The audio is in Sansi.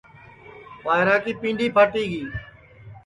ٻائرا کی پینٚدؔی پھاٹی گی